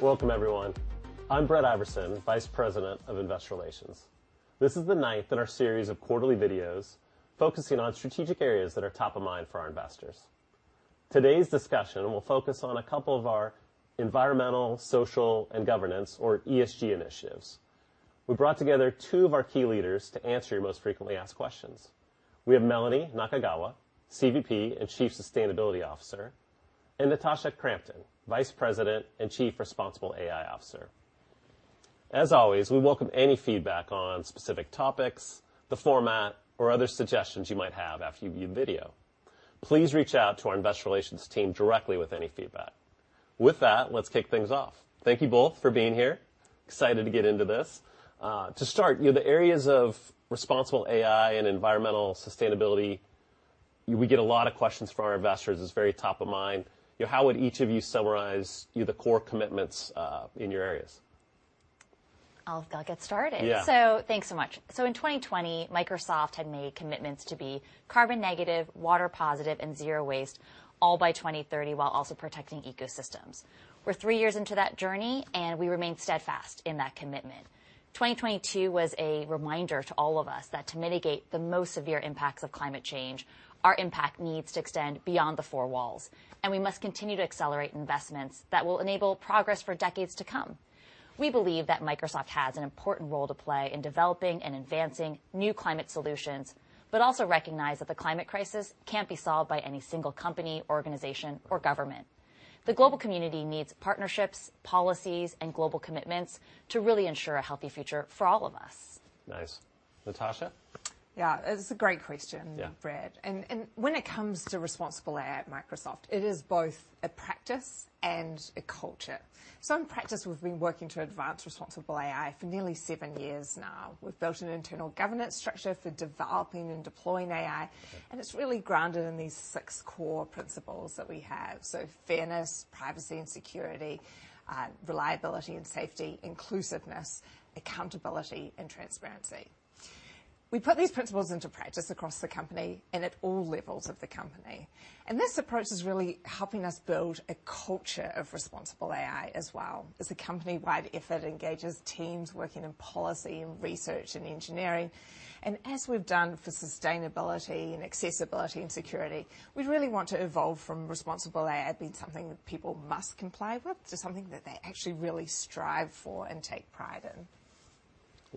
Welcome, everyone. I'm Brett Iversen, Vice President of Investor Relations. This is the ninth in our series of quarterly videos focusing on strategic areas that are top of mind for our investors. Today's discussion will focus on a couple of our environmental, social, and governance, or ESG, initiatives. We brought together two of our key leaders to answer your most frequently asked questions. We have Melanie Nakagawa, CVP and Chief Sustainability Officer, and Natasha Crampton, Vice President and Chief Responsible AI Officer. As always, we welcome any feedback on specific topics, the format, or other suggestions you might have after you view the video. Please reach out to our investor relations team directly with any feedback. Let's kick things off. Thank you both for being here. Excited to get into this. To start, you know, the areas of responsible AI and environmental sustainability, we get a lot of questions from our investors. It's very top of mind. You know, how would each of you summarize the core commitments in your areas? I'll get started. Yeah. Thanks so much. In 2020, Microsoft had made commitments to be carbon negative, water positive, and zero waste, all by 2030, while also protecting ecosystems. We're three years into that journey, and we remain steadfast in that commitment. 2022 was a reminder to all of us that to mitigate the most severe impacts of climate change, our impact needs to extend beyond the four walls, and we must continue to accelerate investments that will enable progress for decades to come. We believe that Microsoft has an important role to play in developing and advancing new climate solutions, but also recognize that the climate crisis can't be solved by any single company, organization, or government. The global community needs partnerships, policies, and global commitments to really ensure a healthy future for all of us. Nice. Natasha? Yeah, it's a great question. Yeah. Brett, and when it comes to responsible AI at Microsoft, it is both a practice and a culture. In practice, we've been working to advance responsible AI for nearly seven years now. We've built an internal governance structure for developing and deploying AI, and it's really grounded in these six core principles that we have: fairness, privacy and security, reliability and safety, inclusiveness, accountability, and transparency. We put these principles into practice across the company and at all levels of the company, and this approach is really helping us build a culture of responsible AI as well. It's a company-wide effort, engages teams working in policy and research and engineering. As we've done for sustainability and accessibility and security, we really want to evolve from Responsible AI being something that people must comply with to something that they actually really strive for and take pride in.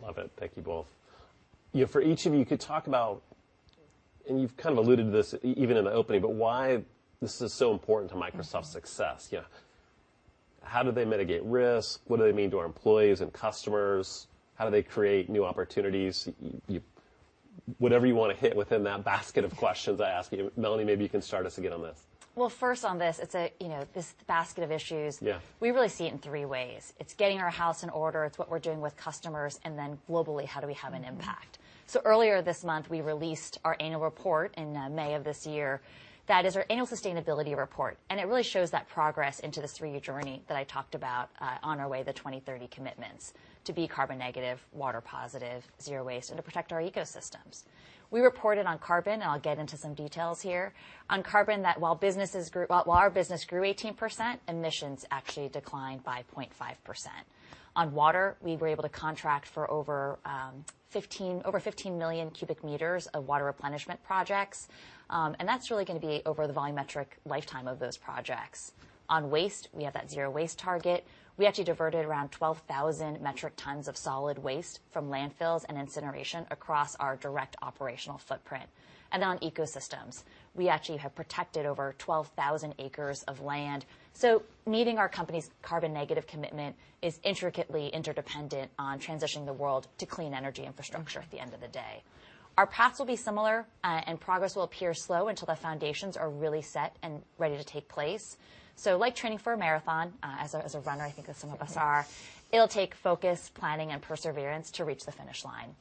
Love it. Thank you both. For each of you, could talk about, and you've kind of alluded to this even in the opening, why this is so important to Microsoft's success? You know, how do they mitigate risk? What do they mean to our employees and customers? How do they create new opportunities? Whatever you want to hit within that basket of questions I asked you. Melanie, maybe you can start us again on this. Well, first on this, it's a, you know, this basket of issues. Yeah. We really see it in three ways: It's getting our house in order, it's what we're doing with customers, and then globally, how do we have an impact? Earlier this month, we released our annual report in May of this year, that is our annual sustainability report, and it really shows that progress into this three-year journey that I talked about on our way to the 2030 commitments, to be carbon negative, water positive, zero waste, and to protect our ecosystems. We reported on carbon, and I'll get into some details here. On carbon, that while our business grew 18%, emissions actually declined by 0.5%. On water, we were able to contract for over 15 million cubic meters of water replenishment projects, and that's really going to be over the volumetric lifetime of those projects. On waste, we have that zero waste target. We actually diverted around 12,000 metric tons of solid waste from landfills and incineration across our direct operational footprint. On ecosystems, we actually have protected over 12,000 acres of land. Meeting our company's carbon negative commitment is intricately interdependent on transitioning the world to clean energy infrastructure at the end of the day. Our paths will be similar, and progress will appear slow until the foundations are really set and ready to take place. Like training for a marathon, as a runner, I think as some of us are, it'll take focus, planning, and perseverance to reach the finish line.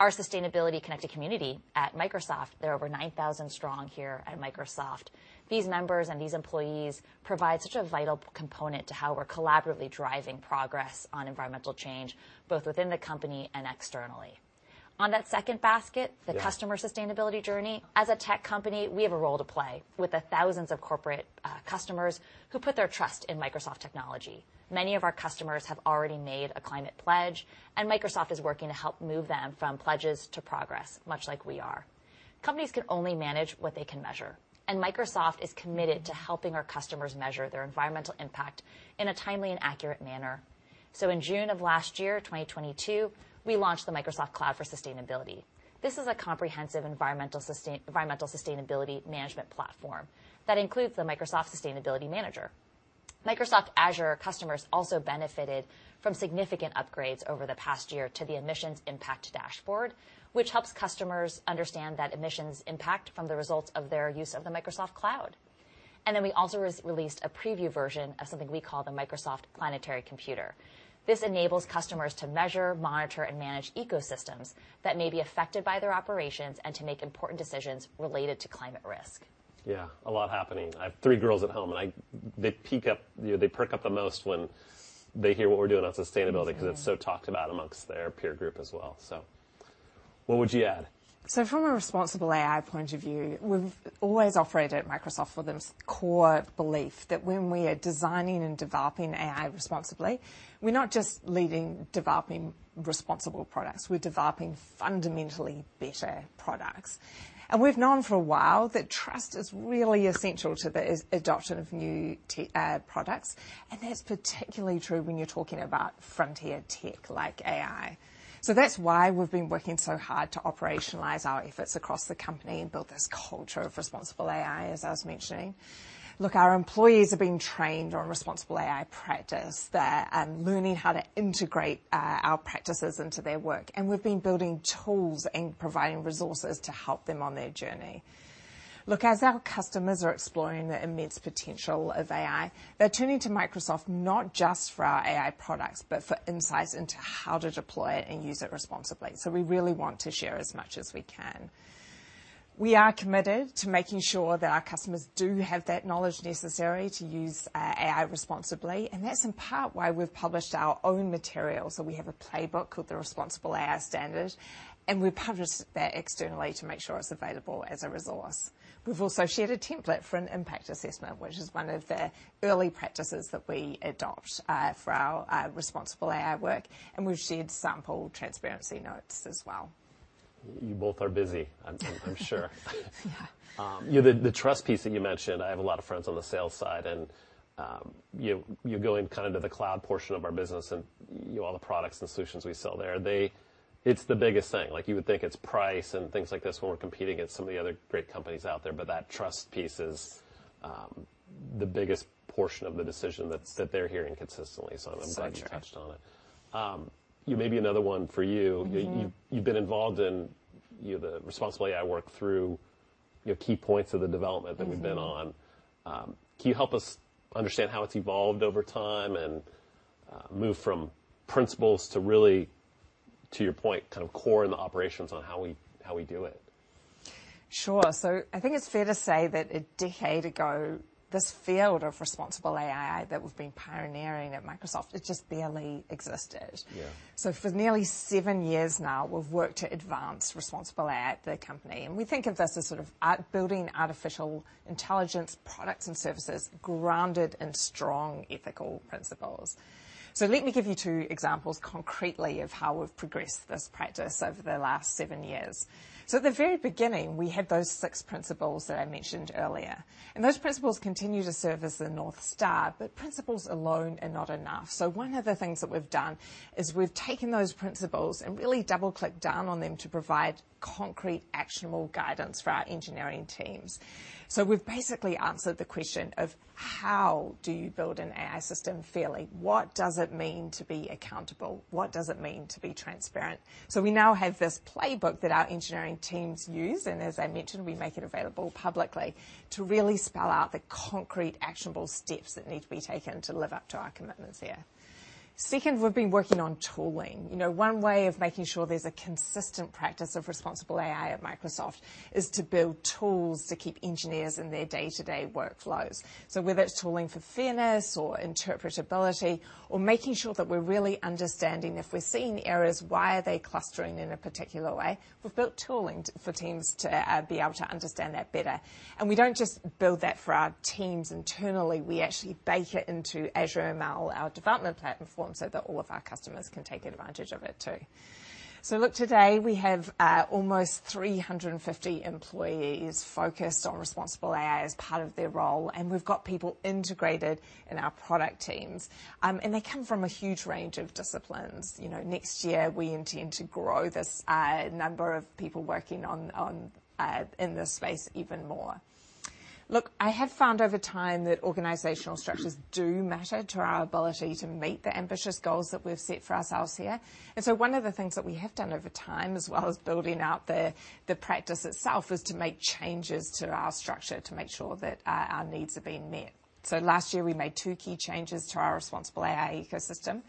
Our sustainability-connected community at Microsoft, they're over 9,000 strong here at Microsoft. These members and these employees provide such a vital component to how we're collaboratively driving progress on environmental change, both within the company and externally. On that second basket. Yeah. The customer sustainability journey, as a tech company, we have a role to play with the thousands of corporate customers who put their trust in Microsoft technology. Many of our customers have already made a climate pledge, and Microsoft is working to help move them from pledges to progress, much like we are. Companies can only manage what they can measure, and Microsoft is committed to helping our customers measure their environmental impact in a timely and accurate manner. In June of last year, 2022, we launched the Microsoft Cloud for Sustainability. This is a comprehensive environmental sustainability management platform that includes the Microsoft Sustainability Manager. Microsoft Azure customers also benefited from significant upgrades over the past year to the Emissions Impact Dashboard, which helps customers understand that emissions impact from the results of their use of the Microsoft Cloud. We also re-released a preview version of something we call the Microsoft Planetary Computer. This enables customers to measure, monitor, and manage ecosystems that may be affected by their operations and to make important decisions related to climate risk. Yeah, a lot happening. I have three girls at home, and They peak up, you know, they perk up the most when they hear what we're doing on sustainability, because it's so talked about amongst their peer group as well. What would you add? From a Responsible AI point of view, we've always operated at Microsoft with this core belief that when we are designing and developing AI responsibly, we're not just leading developing responsible products, we're developing fundamentally better products. We've known for a while that trust is really essential to the as, adoption of new products, and that's particularly true when you're talking about frontier tech like AI. That's why we've been working so hard to operationalize our efforts across the company and build this culture of Responsible AI, as I was mentioning. Our employees are being trained on Responsible AI practice. They're learning how to integrate our practices into their work, and we've been building tools and providing resources to help them on their journey. Look, as our customers are exploring the immense potential of AI, they're turning to Microsoft not just for our AI products, but for insights into how to deploy it and use it responsibly. We really want to share as much as we can. We are committed to making sure that our customers do have that knowledge necessary to use AI responsibly, and that's in part why we've published our own material. We have a playbook called the Responsible AI Standard, and we published that externally to make sure it's available as a resource. We've also shared a template for an impact assessment, which is one of the early practices that we adopt for our responsible AI work, and we've shared sample transparency notes as well. You both are busy, I'm sure. Yeah. Yeah, the trust piece that you mentioned, I have a lot of friends on the sales side, and you go in kind of to the cloud portion of our business and you know, all the products and solutions we sell there, they. It's the biggest thing. Like, you would think it's price and things like this when we're competing against some of the other great companies out there, but that trust piece is the biggest portion of the decision that's, that they're hearing consistently. That's right. I'm glad you touched on it. You may be another one for you. Mm-hmm. You've been involved in, you know, the Responsible AI work through, you know, key points of the development. Mm-hmm. That we've been on. Can you help us understand how it's evolved over time and moved from principles to really, to your point, kind of core in the operations on how we do it? I think it's fair to say that a decade ago, this field of Responsible AI that we've been pioneering at Microsoft, it just barely existed. Yeah. For nearly seven years now, we've worked to advance Responsible AI at the company, and we think of this as sort of at building artificial intelligence products and services grounded in strong ethical principles. Let me give you two examples concretely of how we've progressed this practice over the last seven years. At the very beginning, we had those six principles that I mentioned earlier, and those principles continue to serve as the North Star, but principles alone are not enough. One of the things that we've done is we've taken those principles and really double-clicked down on them to provide concrete, actionable guidance for our engineering teams. We've basically answered the question of: How do you build an AI system fairly? What does it mean to be accountable? What does it mean to be transparent? We now have this playbook that our engineering teams use, and as I mentioned, we make it available publicly to really spell out the concrete, actionable steps that need to be taken to live up to our commitments here. Second, we've been working on tooling. You know, one way of making sure there's a consistent practice of Responsible AI at Microsoft is to build tools to keep engineers in their day-to-day workflows. Whether it's tooling for fairness or interpretability or making sure that we're really understanding, if we're seeing errors, why are they clustering in a particular way? We've built tooling for teams to be able to understand that better. We don't just build that for our teams internally, we actually bake it into Azure ML, our development platform, so that all of our customers can take advantage of it, too. Look, today we have almost 350 employees focused on responsible AI as part of their role, and we've got people integrated in our product teams. They come from a huge range of disciplines. You know, next year we intend to grow this number of people working on in this space even more. Look, I have found over time that organizational structures do matter to our ability to meet the ambitious goals that we've set for ourselves here. One of the things that we have done over time, as well as building out the practice itself, is to make changes to our structure to make sure that our needs are being met. Last year, we made two key changes to our responsible AI ecosystem.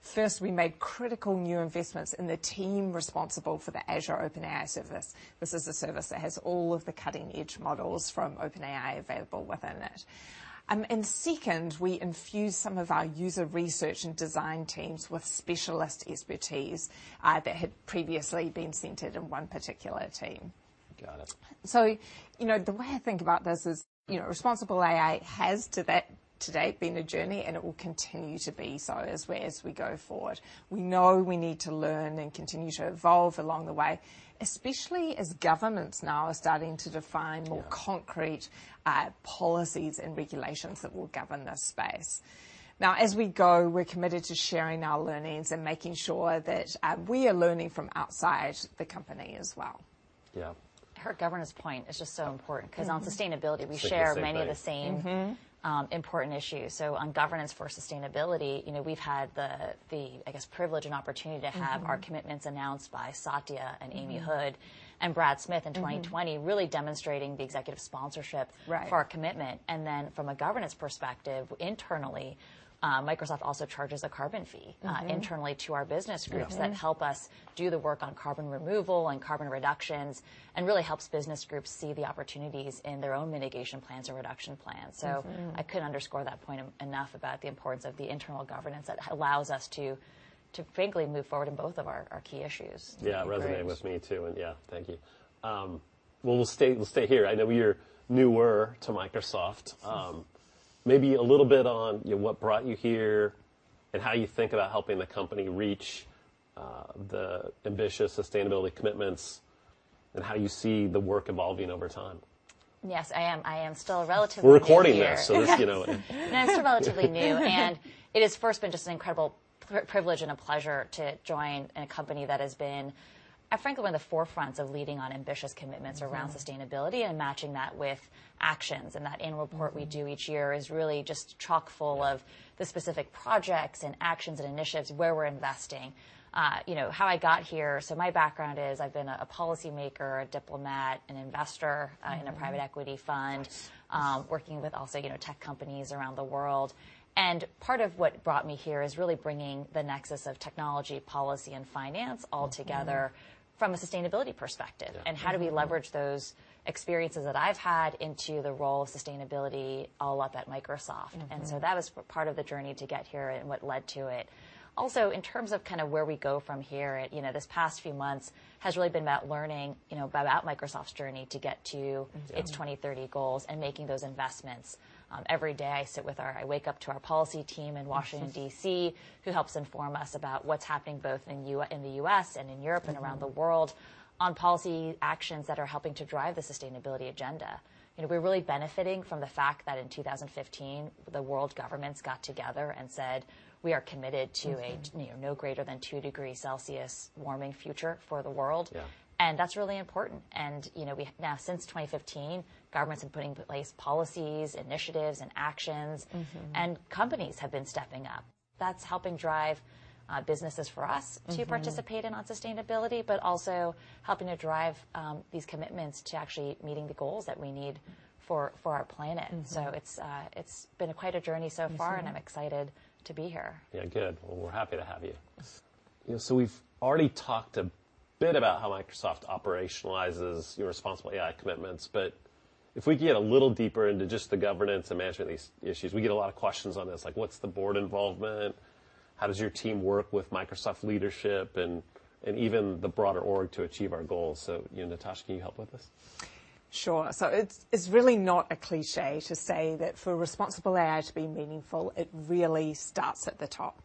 First, we made critical new investments in the team responsible for the Azure OpenAI Service. This is a service that has all of the cutting-edge models from OpenAI available within it. second, we infused some of our user research and design teams with specialist expertise that had previously been centered in one particular team. Got it. You know, the way I think about this is, you know, responsible AI has to date been a journey, and it will continue to be so as we go forward. We know we need to learn and continue to evolve along the way, especially as governments now are starting to. Yeah. More concrete, policies and regulations that will govern this space. As we go, we're committed to sharing our learnings and making sure that, we are learning from outside the company as well. Yeah. Her governance point is just so important. Mm-hmm. Cause on sustainability, we share. It's the same way. Many of the same. Mm-hmm. Important issues. On governance for sustainability, you know, we've had the, I guess, privilege and opportunity to have. Mm-hmm. Our commitments announced by Satya and Amy Hood. Mm-hmm. And Brad Smith in 2020. Mm-hmm. Really demonstrating the executive sponsorship. Right. For our commitment. From a governance perspective, internally, Microsoft also charges a carbon fee. Mm-hmm. Internally to our business groups. Yeah. That help us do the work on carbon removal and carbon reductions, and really helps business groups see the opportunities in their own mitigation plans or reduction plans. Mm-hmm. I couldn't underscore that point enough about the importance of the internal governance that allows us to frankly move forward in both of our key issues. Yeah. Right. Resonate with me, too, and yeah. Thank you. Well, we'll stay here. I know you're newer to Microsoft, maybe a little bit on, you know, what brought you here, and how you think about helping the company reach the ambitious sustainability commitments, and how you see the work evolving over time. Yes, I am. I am still relatively new here. We're recording this, so, just, you know. No, I'm still relatively new. It has first been just an incredible privilege and a pleasure to join a company that has been, frankly, one of the forefronts of leading on ambitious commitments. Mm-hmm. Around sustainability and matching that with actions. That annual report we do each year is really just chock-full of the specific projects and actions and initiatives where we're investing. You know, how I got here, so my background is I've been a policymaker, a diplomat, an investor. Mm-hmm. In a private equity fund, working with also, you know, tech companies around the world. Part of what brought me here is really bringing the nexus of technology, policy, and finance all together. Mm-hmm. From a sustainability perspective. Yeah. How do we leverage those experiences that I've had into the role of sustainability all up at Microsoft? Mm-hmm. That is part of the journey to get here and what led to it. Also, in terms of kinda where we go from here, you know, this past few months has really been about learning, you know, about Microsoft's journey. Mm-hmm. Its 2030 goals and making those investments. every day, I wake up to our policy team in Washington, D.C. Mm. Who helps inform us about what's happening both in the U.S. and in Europe. Mm-hmm. And around the world on policy actions that are helping to drive the sustainability agenda. You know, we're really benefiting from the fact that in 2015, the world governments got together and said, "We are committed to. Mm-hmm. You know, no greater than two degrees Celsius warming future for the world. Yeah. That's really important, and, you know, we now, since 2015, governments have been putting in place policies, initiatives, and actions. Mm-hmm. Companies have been stepping up. That's helping drive, businesses for us. Mm-hmm. To participate in on sustainability, but also helping to drive these commitments to actually meeting the goals that we need for our planet. Mm-hmm. It's been quite a journey so far. Mm-hmm. And I'm excited to be here. Yeah, good. Well, we're happy to have you. Yes. You know, we've already talked a bit about how Microsoft operationalizes your Responsible AI commitments, if we could get a little deeper into just the governance and management of these issues. We get a lot of questions on this, like, what's the board involvement? How does your team work with Microsoft leadership and even the broader org to achieve our goals? You know, Natasha, can you help with this? Sure. It's really not a cliché to say that for responsible AI to be meaningful, it really starts at the top.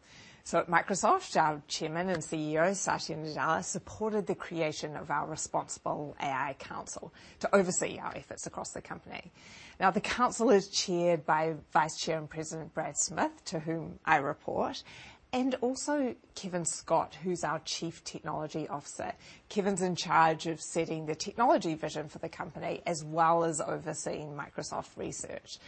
At Microsoft, our Chairman and CEO, Satya Nadella, supported the creation of our Responsible AI Council to oversee our efforts across the company. The council is chaired by Vice Chair and President Brad Smith, to whom I report, and also Kevin Scott, who's our Chief Technology Officer. Kevin's in charge of setting the technology vision for the company, as well as overseeing Microsoft Research.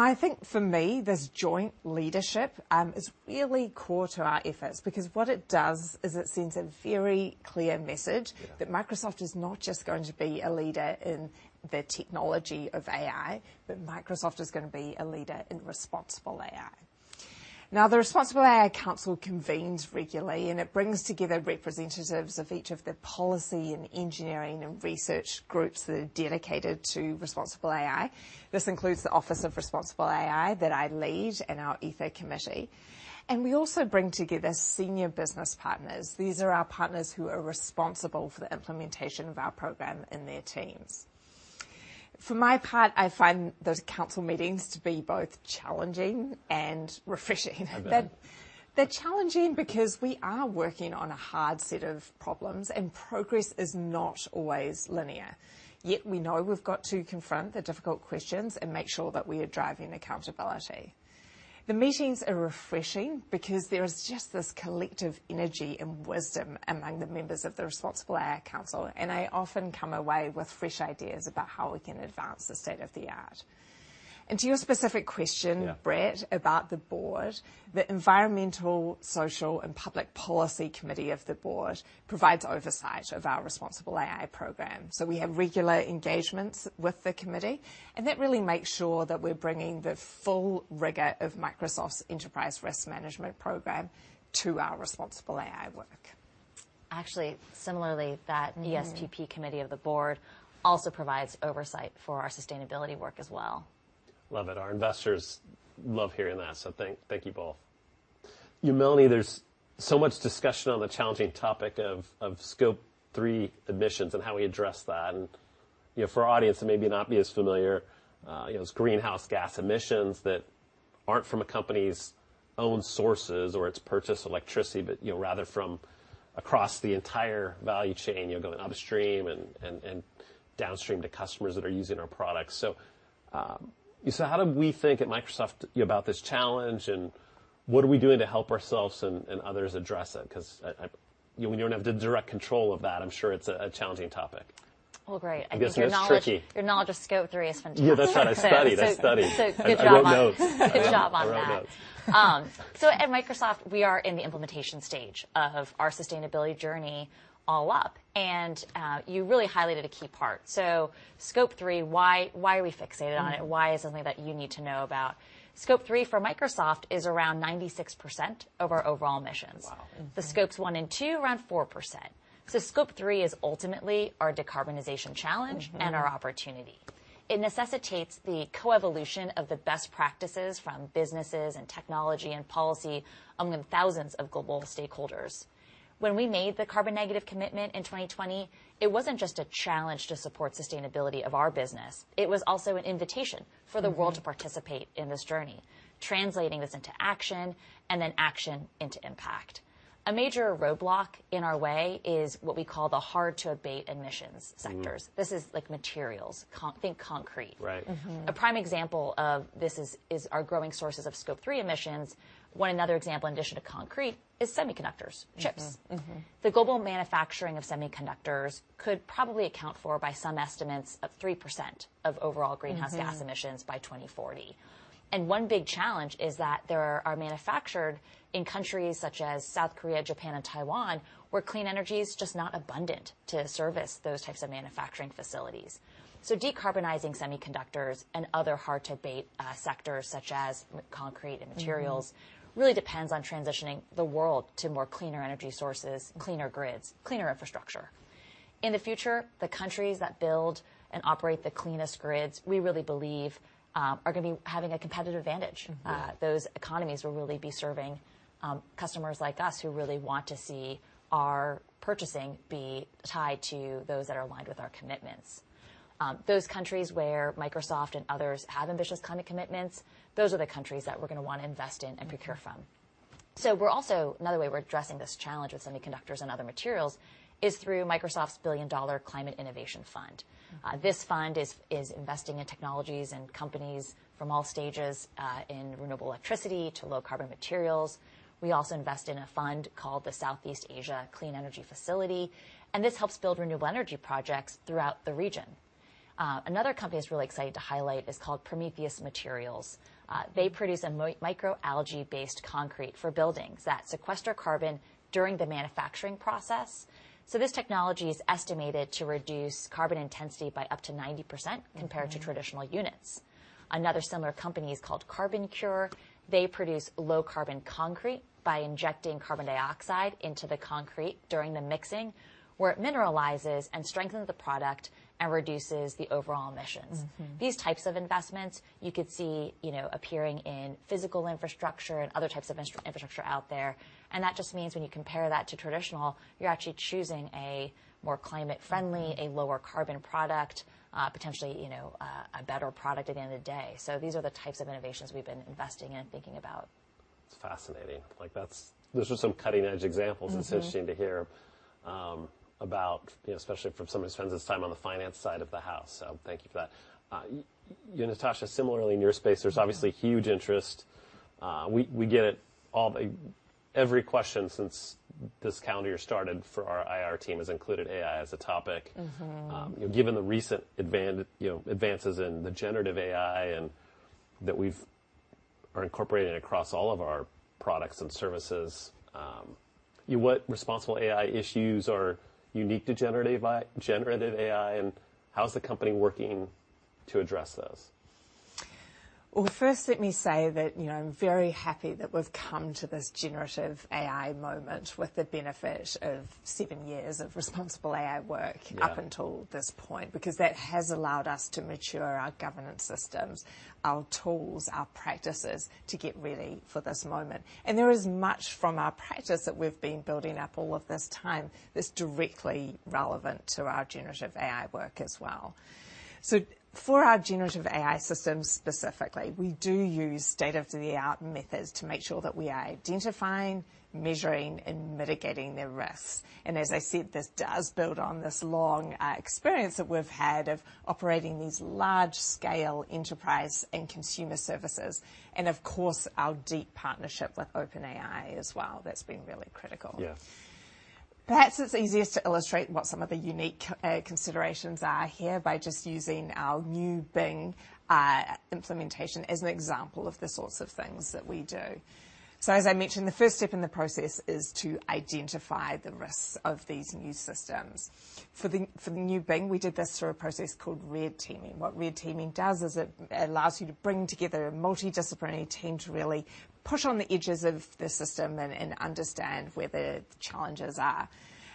I think for me, this joint leadership is really core to our efforts, because what it does is it sends a very clear message. Yeah. That Microsoft is not just going to be a leader in the technology of AI, but Microsoft is gonna be a leader in responsible AI. The Responsible AI Council convenes regularly, and it brings together representatives of each of the policy and engineering and research groups that are dedicated to responsible AI. This includes the Office of Responsible AI that I lead and our Aether Committee, and we also bring together senior business partners. These are our partners who are responsible for the implementation of our program and their teams. For my part, I find those council meetings to be both challenging and refreshing. I bet. They're challenging because we are working on a hard set of problems, and progress is not always linear. Yet we know we've got to confront the difficult questions and make sure that we are driving accountability. The meetings are refreshing because there is just this collective energy and wisdom among the members of the Responsible AI Council, and I often come away with fresh ideas about how we can advance the state-of-the-art. To your specific question. Yeah. Brett, about the board, the Environmental, Social, and Public Policy Committee of the board provides oversight of our responsible AI program. We have regular engagements with the committee, and that really makes sure that we're bringing the full rigor of Microsoft's enterprise risk management program to our responsible AI work. Actually, similarly. Mm-hmm. ESPP committee of the Board also provides oversight for our sustainability work as well. Love it. Our investors love hearing that, thank you both. Melanie, there's so much discussion on the challenging topic of Scope 3 emissions and how we address that. You know, for our audience that may not be as familiar, you know, it's greenhouse gas emissions that aren't from a company's own sources or its purchased electricity, but, you know, rather from across the entire value chain, you know, going upstream and downstream to customers that are using our products. How do we think at Microsoft, you know, about this challenge, and what are we doing to help ourselves and others address it? 'Cause I. You know, we don't have the direct control of that. I'm sure it's a challenging topic. Well, great. I guess it's tricky. I think your knowledge of Scope 3 is fantastic. Yeah, that's what I studied. Good job. I wrote notes. Good job on that. I wrote notes. At Microsoft, we are in the implementation stage of our sustainability journey all up, and you really highlighted a key part. Scope 3, why are we fixated on it? Mm-hmm. Why is it something that you need to know about? Scope 3 for Microsoft is around 96% of our overall emissions. Wow! Mm-hmm. The Scope 1 and 2, around 4%. Scope 3 is ultimately our decarbonization challenge. Mm-hmm. Our opportunity. It necessitates the co-evolution of the best practices from businesses and technology and policy among thousands of global stakeholders. When we made the carbon negative commitment in 2020, it wasn't just a challenge to support sustainability of our business, it was also an invitation for the world to participate in this journey, translating this into action and then action into impact. A major roadblock in our way is what we call the hard-to-abate emissions sectors. Mm-hmm. This is like materials, think concrete. Right. Mm-hmm. A prime example of this is our growing sources of Scope 3 emissions. One other example, in addition to concrete, is semiconductors, chips. Mm-hmm, mm-hmm. The global manufacturing of semiconductors could probably account for, by some estimates, of 3% of overall greenhouse gas. Mm-hmm. Emissions by 2040. One big challenge is that they are manufactured in countries such as South Korea, Japan, and Taiwan, where clean energy is just not abundant to service those types of manufacturing facilities. Decarbonizing semiconductors and other hard-to-abate sectors, such as concrete and materials. Mm-hmm really depends on transitioning the world to more cleaner energy sources, cleaner grids, cleaner infrastructure. In the future, the countries that build and operate the cleanest grids, we really believe, are going to be having a competitive advantage. Mm-hmm. Those economies will really be serving customers like us, who really want to see our purchasing be tied to those that are aligned with our commitments. Those countries where Microsoft and others have ambitious climate commitments, those are the countries that we're going to want to invest in and procure from. Another way we're addressing this challenge with semiconductors and other materials is through Microsoft's $1 billion Climate Innovation Fund. Mm-hmm. This fund is investing in technologies and companies from all stages in renewable electricity to low carbon materials. We also invest in a fund called the Southeast Asia Clean Energy Facility, this helps build renewable energy projects throughout the region. Another company that's really exciting to highlight is called Prometheus Materials. They produce a microalgae-based concrete for buildings that sequester carbon during the manufacturing process. This technology is estimated to reduce carbon intensity by up to 90%. Mm-hmm. Compared to traditional units. Another similar company is called CarbonCure. They produce low carbon concrete by injecting carbon dioxide into the concrete during the mixing, where it mineralizes and strengthens the product and reduces the overall emissions. Mm-hmm. These types of investments you could see, you know, appearing in physical infrastructure and other types of infrastructure out there, and that just means when you compare that to traditional, you're actually choosing a more climate friendly, a lower carbon product, potentially, you know, a better product at the end of the day. These are the types of innovations we've been investing in and thinking about. It's fascinating. Like, Those are some cutting-edge examples. Mm-hmm. It's interesting to hear, about, you know, especially from somebody who spends his time on the finance side of the house, so thank you for that. You, Natasha, similarly, in your space, there's obviously huge interest. We, we get it all, every question since this calendar year started for our IR team has included AI as a topic. Mm-hmm. Given the recent you know, advances in the generative AI and that we've are incorporating across all of our products and services, what responsible AI issues are unique to generative AI, and how's the company working to address those? Well, first, let me say that, you know, I'm very happy that we've come to this generative AI moment with the benefit of seven years of responsible AI work. Yeah. Up until this point, because that has allowed us to mature our governance systems, our tools, our practices to get ready for this moment. There is much from our practice that we've been building up all of this time that's directly relevant to our generative AI work as well. For our generative AI systems, specifically, we do use state-of-the-art methods to make sure that we are identifying, measuring, and mitigating the risks. As I said, this does build on this long experience that we've had of operating these large-scale enterprise and consumer services and, of course, our deep partnership with OpenAI as well. That's been really critical. Yeah. Perhaps it's easiest to illustrate what some of the unique, considerations are here by just using our new Bing, implementation as an example of the sorts of things that we do. As I mentioned, the first step in the process is to identify the risks of these new systems. For the new Bing, we did this through a process called red teaming. What red teaming does is it allows you to bring together a multidisciplinary team to really push on the edges of the system and understand where the challenges are.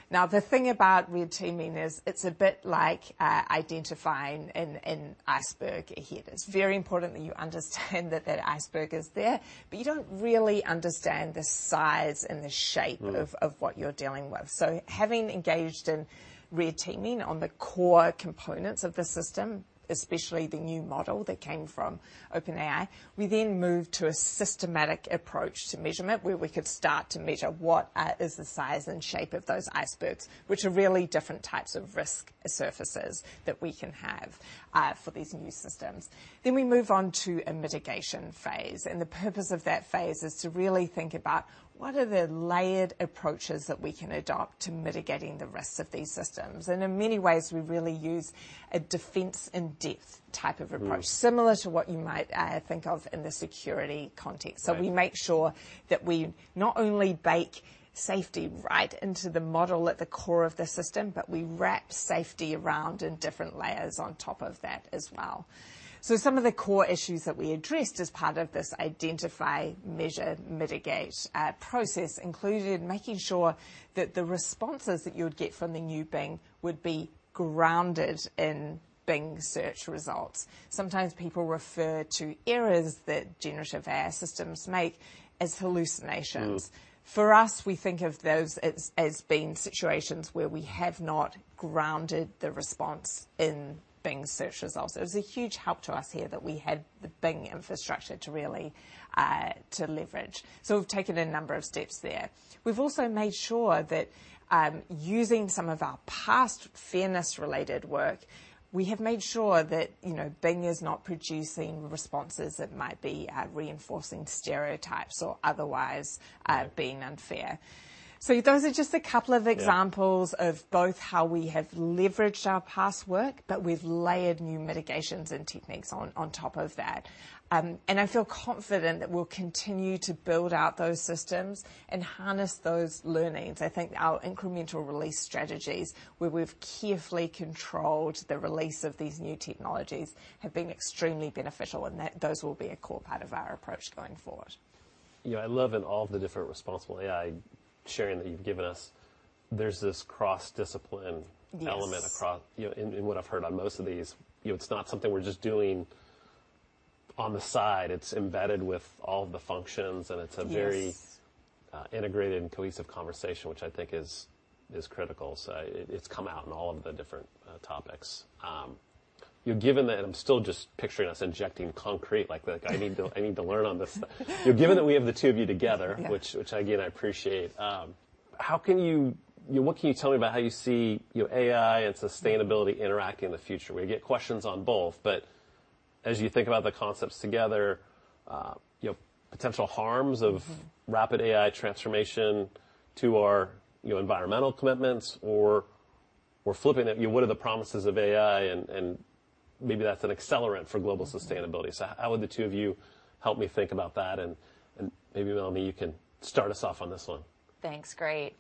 The thing about red teaming is it's a bit like, identifying an iceberg ahead. It's very important that you understand that that iceberg is there, but you don't really understand the size and the shape. Mm. Of what you're dealing with. Having engaged in red teaming on the core components of the system, especially the new model that came from OpenAI, we then moved to a systematic approach to measurement, where we could start to measure what is the size and shape of those icebergs, which are really different types of risk surfaces that we can have for these new systems. We move on to a mitigation phase, the purpose of that phase is to really think about what are the layered approaches that we can adopt to mitigating the risks of these systems. In many ways, we really use a defense-in-depth type of approach. Mm. Similar to what you might think of in the security context. Yeah. We make sure that we not only bake safety right into the model at the core of the system, but we wrap safety around in different layers on top of that as well. Some of the core issues that we addressed as part of this identify, measure, mitigate process included making sure that the responses that you would get from the new Bing would be grounded in Bing search results. Sometimes people refer to errors that generative AI systems make as hallucinations. Mm. For us, we think of those as being situations where we have not grounded the response in Bing search results. It was a huge help to us here that we had the Bing infrastructure to really to leverage. We've taken a number of steps there. We've also made sure that using some of our past fairness-related work, we have made sure that, you know, Bing is not producing responses that might be reinforcing stereotypes or otherwise being unfair. Those are just a couple of examples. Yeah. Of both how we have leveraged our past work, but we've layered new mitigations and techniques on top of that. I feel confident that we'll continue to build out those systems and harness those learnings. I think our incremental release strategies, where we've carefully controlled the release of these new technologies, have been extremely beneficial, and that those will be a core part of our approach going forward. You know, I love in all the different responsible AI sharing that you've given us, there's this cross-discipline. Yes. Element across. You know, in what I've heard on most of these, you know, it's not something we're just doing on the side. It's embedded with all the functions, and it's a very. Yes. Integrated and cohesive conversation, which I think is critical. It, it's come out in all of the different topics. You've given that, I'm still just picturing us injecting concrete, like I need to, I need to learn on this. Given that we have the two of you together. Yeah. Which again, I appreciate, what can you tell me about how you see, you know, AI and sustainability interacting in the future? We get questions on both, but as you think about the concepts together, you know, potential harms of. Mm-hmm. Rapid AI transformation to our, you know, environmental commitments, or we're flipping it, you know, what are the promises of AI? Maybe that's an accelerant for global sustainability. How would the two of you help me think about that? Maybe, Melanie, you can start us off on this one. Thanks. Great.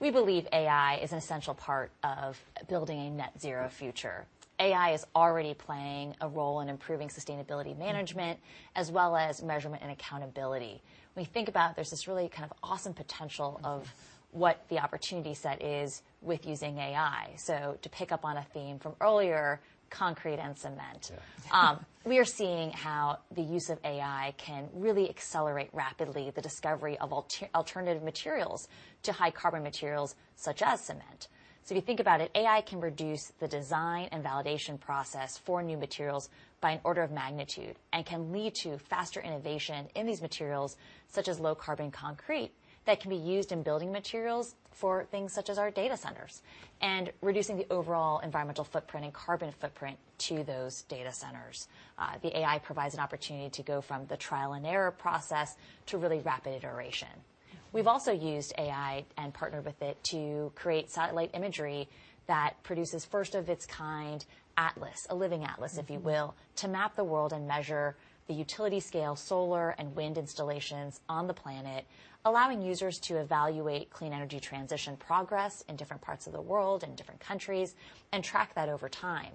We believe AI is an essential part of building a net zero future. AI is already playing a role in improving sustainability management as well as measurement and accountability. When we think about, there's this really kind of awesome potential of what the opportunity set is with using AI. To pick up on a theme from earlier, concrete and cement. Yeah. We are seeing how the use of AI can really accelerate rapidly the discovery of alternative materials to high carbon materials, such as cement. If you think about it, AI can reduce the design and validation process for new materials by an order of magnitude and can lead to faster innovation in these materials, such as low-carbon concrete, that can be used in building materials for things such as our data centers and reducing the overall environmental footprint and carbon footprint to those data centers. The AI provides an opportunity to go from the trial-and-error process to really rapid iteration. We've also used AI and partnered with it to create satellite imagery that produces first of its kind atlas, a living atlas, if you will. Mm-hmm. To map the world and measure the utility scale, solar and wind installations on the planet, allowing users to evaluate clean energy transition progress in different parts of the world and different countries and track that over time.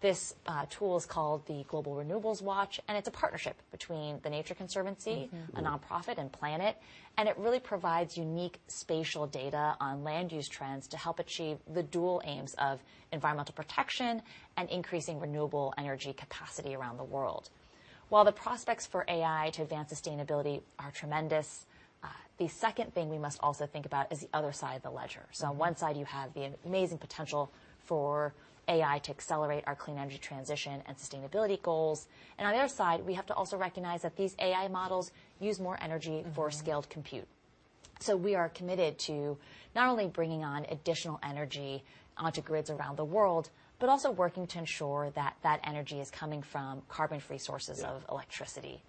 This tool is called the Global Renewables Watch, and it's a partnership between The Nature Conservancy. Mm-hmm. A nonprofit, and Planet, and it really provides unique spatial data on land use trends to help achieve the dual aims of environmental protection and increasing renewable energy capacity around the world. While the prospects for AI to advance sustainability are tremendous, the second thing we must also think about is the other side of the ledger. On one side, you have the amazing potential for AI to accelerate our clean energy transition and sustainability goals. On the other side, we have to also recognize that these AI models use more energy for scaled compute. Mm-hmm. We are committed to not only bringing on additional energy onto grids around the world, but also working to ensure that that energy is coming from carbon-free sources of electricity.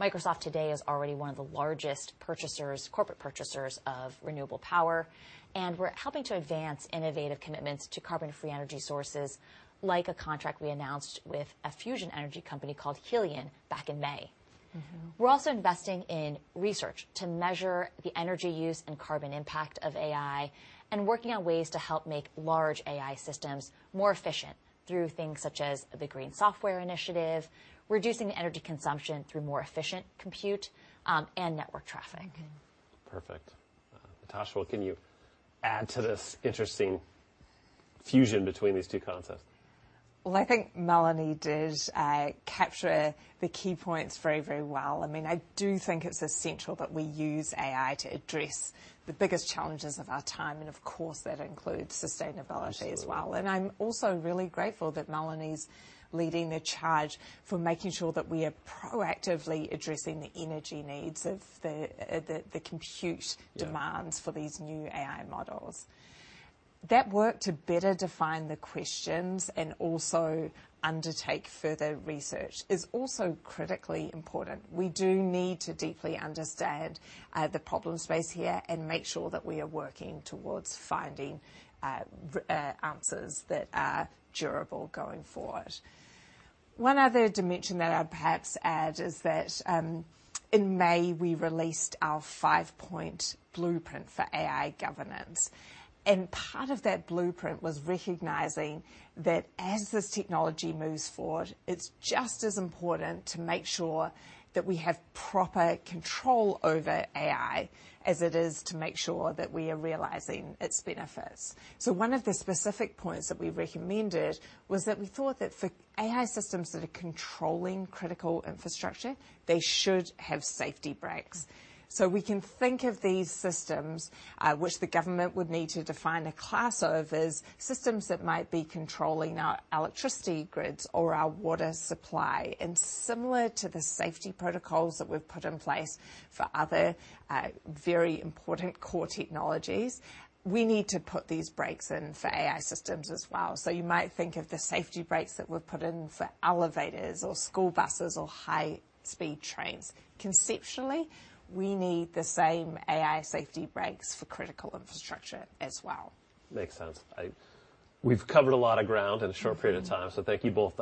Yeah. Microsoft today is already one of the largest purchasers, corporate purchasers, of renewable power, and we're helping to advance innovative commitments to carbon-free energy sources, like a contract we announced with a fusion energy company called Helion back in May. Mm-hmm. We're also investing in research to measure the energy use and carbon impact of AI and working on ways to help make large AI systems more efficient through things such as the Green Software Foundation, reducing the energy consumption through more efficient compute, and network traffic. Mm-hmm. Perfect. Tasha, what can you add to this interesting fusion between these two concepts? Well, I think Melanie did capture the key points very, very well. I mean, I do think it's essential that we use AI to address the biggest challenges of our time, and of course, that includes sustainability as well. Absolutely. I'm also really grateful that Melanie's leading the charge for making sure that we are proactively addressing the energy needs of the compute demands. Yeah. For these new AI models. That work to better define the questions and also undertake further research is also critically important. We do need to deeply understand the problem space here and make sure that we are working towards finding answers that are durable going forward. One other dimension that I'd perhaps add is that, in May, we released our 5-point blueprint for AI governance. Part of that blueprint was recognizing that as this technology moves forward, it's just as important to make sure that we have proper control over AI as it is to make sure that we are realizing its benefits. One of the specific points that we recommended was that we thought that for AI systems that are controlling critical infrastructure, they should have safety brakes. We can think of these systems, which the government would need to define a class of, as systems that might be controlling our electricity grids or our water supply, and similar to the safety protocols that we've put in place for other, very important core technologies, we need to put these brakes in for AI systems as well. You might think of the safety brakes that were put in for elevators or school buses or high-speed trains. Conceptually, we need the same AI safety brakes for critical infrastructure as well. Makes sense. We've covered a lot of ground in a short period of time, so thank you both.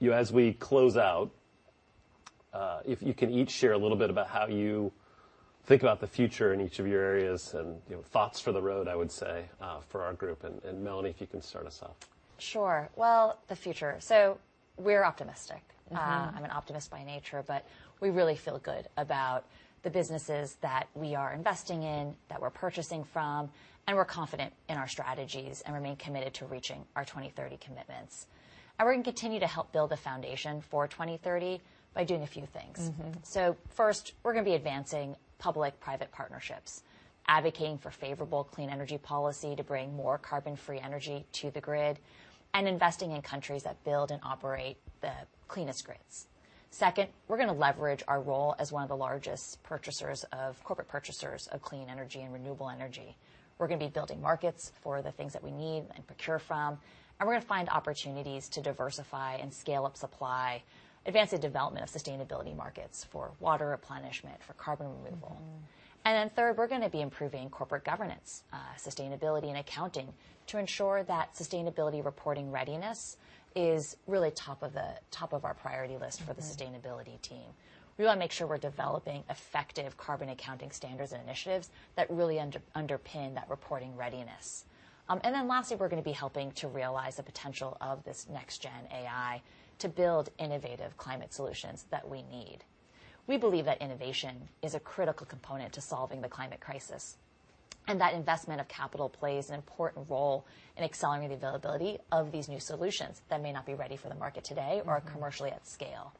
You, as we close out, if you can each share a little bit about how you think about the future in each of your areas, and, you know, thoughts for the road, I would say, for our group. Melanie, if you can start us off. Sure. Well, the future. We're optimistic. Mm-hmm. I'm an optimist by nature, we really feel good about the businesses that we are investing in, that we're purchasing from, and we're confident in our strategies and remain committed to reaching our 2030 commitments. We're going to continue to help build the foundation for 2030 by doing a few things. Mm-hmm. First, we're going to be advancing public-private partnerships, advocating for favorable clean energy policy to bring more carbon-free energy to the grid, and investing in countries that build and operate the cleanest grids. Second, we're going to leverage our role as one of the largest corporate purchasers of clean energy and renewable energy. We're going to be building markets for the things that we need and procure from, and we're going to find opportunities to diversify and scale up supply, advancing development of sustainability markets for water replenishment, for carbon removal. Mm-hmm. Then third, we're going to be improving corporate governance, sustainability, and accounting to ensure that sustainability reporting readiness is really top of our priority list for the. Mm-hmm. Sustainability team. We want to make sure we're developing effective carbon accounting standards and initiatives that really underpin that reporting readiness. Lastly, we're going to be helping to realize the potential of this next-gen AI to build innovative climate solutions that we need. We believe that innovation is a critical component to solving the climate crisis. That investment of capital plays an important role in accelerating the availability of these new solutions that may not be ready for the market today. Mm-hmm. Or commercially at scale.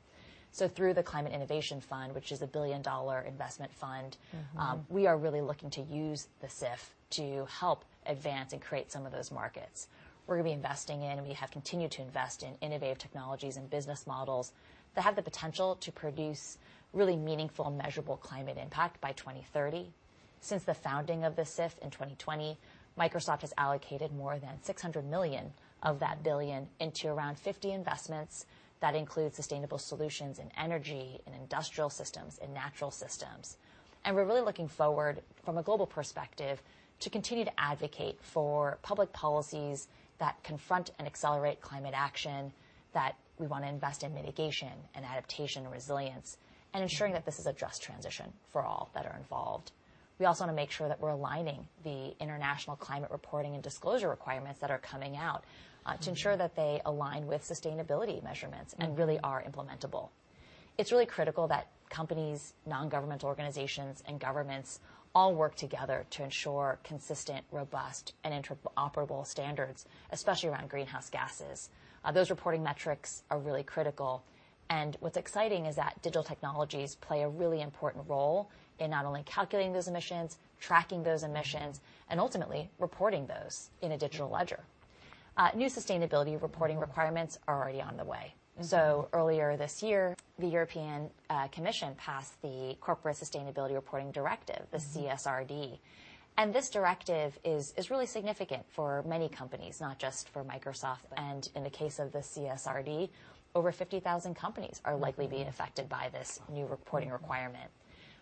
Through the Climate Innovation Fund, which is a billion-dollar investment fund. Mm-hmm. We are really looking to use the CIF to help advance and create some of those markets. We're going to be investing in, we have continued to invest in innovative technologies and business models that have the potential to produce really meaningful, measurable climate impact by 2030. Since the founding of the CIF in 2020, Microsoft has allocated more than $600 million of that $1 billion into around 50 investments. That includes sustainable solutions in energy, in industrial systems, in natural systems. We're really looking forward, from a global perspective, to continue to advocate for public policies that confront and accelerate climate action, that we want to invest in mitigation and adaptation resilience, and ensuring that this is a just transition for all that are involved. We also want to make sure that we're aligning the international climate reporting and disclosure requirements that are coming out. Mm-hmm. To ensure that they align with sustainability measurements. Mm. And really are implementable. It's really critical that companies, non-governmental organizations, and governments all work together to ensure consistent, robust, and interoperable standards, especially around greenhouse gases. Those reporting metrics are really critical, and what's exciting is that digital technologies play a really important role in not only calculating those emissions, tracking those emissions, and ultimately reporting those in a digital ledger. New sustainability reporting requirements are already on the way. Mm-hmm. Earlier this year, the European Commission passed the Corporate Sustainability Reporting Directive, the CSRD. Mm-hmm. This directive is really significant for many companies, not just for Microsoft, and in the case of the CSRD, over 50,000 companies are likely being affected by this new reporting requirement.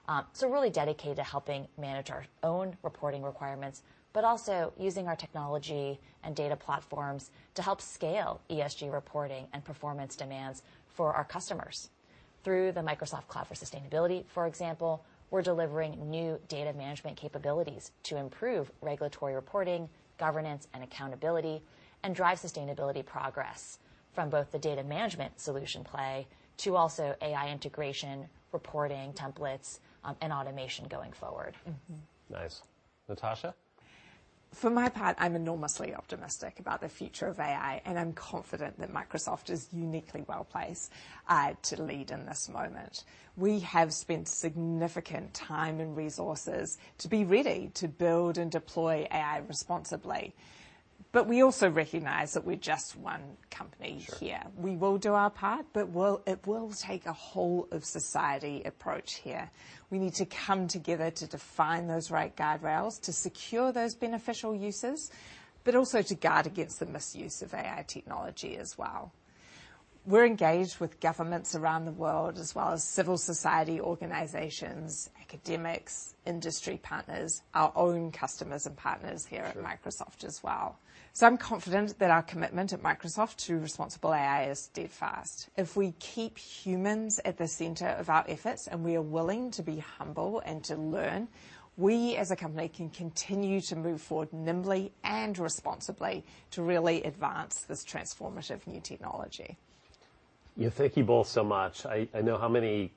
We're really dedicated to helping manage our own reporting requirements, but also using our technology and data platforms to help scale ESG reporting and performance demands for our customers. Through the Microsoft Cloud for Sustainability, for example, we're delivering new data management capabilities to improve regulatory reporting, governance and accountability, and drive sustainability progress from both the data management solution play to also AI integration, reporting, templates, and automation going forward. Mm-hmm. Nice. Natasha? For my part, I'm enormously optimistic about the future of AI, and I'm confident that Microsoft is uniquely well placed to lead in this moment. We have spent significant time and resources to be ready to build and deploy AI responsibly, but we also recognize that we're just one company here. Sure. We will do our part, but it will take a whole of society approach here. We need to come together to define those right guardrails, to secure those beneficial uses, but also to guard against the misuse of AI technology as well. We're engaged with governments around the world, as well as civil society organizations, academics, industry partners, our own customers and partners here at Microsoft as well. Sure. I'm confident that our commitment at Microsoft to responsible AI is steadfast. If we keep humans at the center of our efforts and we are willing to be humble and to learn, we, as a company, can continue to move forward nimbly and responsibly to really advance this transformative new technology. Yeah, thank you both so much. I know how many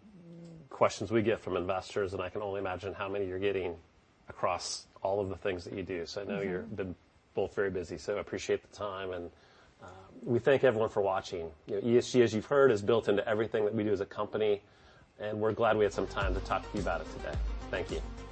questions we get from investors. I can only imagine how many you're getting across all of the things that you do. Mm-hmm. I know you're both very busy, so I appreciate the time, and we thank everyone for watching. You know, ESG, as you've heard, is built into everything that we do as a company, and we're glad we had some time to talk to you about it today. Thank you.